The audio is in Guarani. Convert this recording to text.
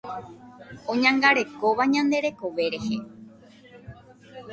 Oñangarekóva ñande rekove rehe.